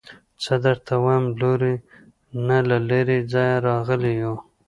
څه درته ووايم لورې نه له لرې ځايه راغلي يو.